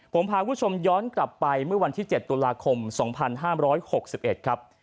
ผมพาคุณผู้ชมย้อนกลับไปเมื่อวันที่๗ตุลาคม๒๕๖๑ครับ